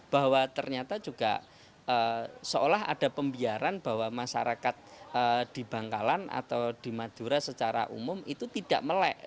bahwa ternyata juga seolah ada pembiaran bahwa masyarakat di bangkalan atau di madura secara umum itu tidak melek